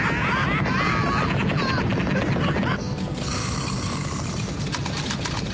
アハハハハ！